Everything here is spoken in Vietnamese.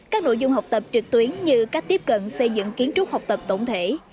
các nội dung học tập trực tuyến như cách tiếp cận xây dựng kiến trúc học tập tổng thể